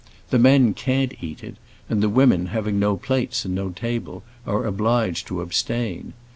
The men can't eat it, and the women, having no plates and no table, are obliged to abstain.